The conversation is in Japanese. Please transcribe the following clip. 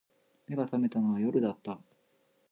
眼が覚めたのは夜だった